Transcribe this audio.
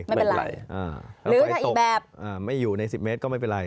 ถ้าไฟตกไม่อยู่ใน๑๐เมตรก็ไม่เป็นไร